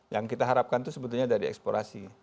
yang kita harapkan itu sebetulnya dari eksplorasi